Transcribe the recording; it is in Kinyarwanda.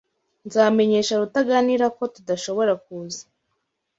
Nzamenyesha Rutaganira ko tudashobora kuza.